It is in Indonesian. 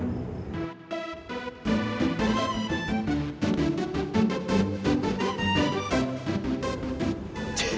gue mau kasih tau aja